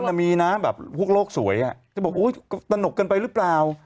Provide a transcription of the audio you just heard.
แต่มีนะแบบพวกโลกสวยจะบอกตนกเกินไปหรือเปล่า